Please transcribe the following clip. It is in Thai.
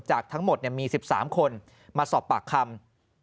จากทั้งหมดมี๑๓คนมาสอบปากคำ